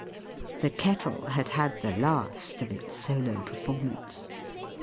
The Kettle had had the last of its solo performance.